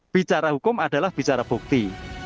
bicara hukum adalah bicara bukti